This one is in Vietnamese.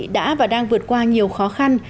đã và đang vượt qua nhiều khó khăn